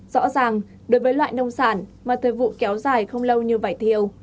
rõ ràng đối với loại nông sản mà thời vụ kéo dài không lâu như vải thiều